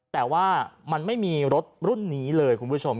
แต่ว่ามันไม่มีรถรุ่นนี้เลยคุณผู้ชม